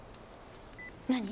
何？